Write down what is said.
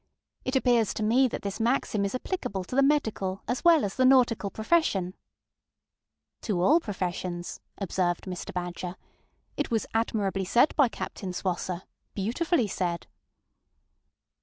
It appears to me that this maxim is applicable to the medical as well as the nautical profession. ŌĆØ ŌĆ£To all professions! ŌĆØ observed Mr. Badger. ŌĆ£It was admirably said by Captain Swosser; beautifully said!